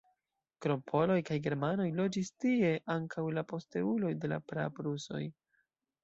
Krom poloj kaj germanoj loĝis tie ankaŭ la posteuloj de la praprusoj.